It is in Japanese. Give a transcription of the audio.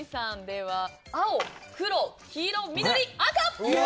青、黒、黄色、緑、赤！